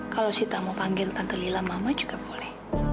kalau sita mau panggil tante lila mama juga boleh